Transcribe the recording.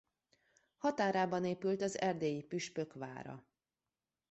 Határában épült az erdélyi püspök vára.